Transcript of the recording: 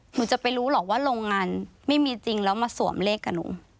หนูจะไปรู้หรอกว่าโรงงานไม่มีจริงแล้วมาสวมเลขกับหนู